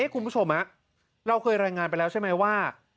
คุณผู้ชมเราเคยรายงานไปแล้วใช่ไหมว่า